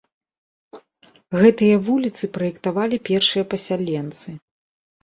Гэтыя вуліцы праектавалі першыя пасяленцы.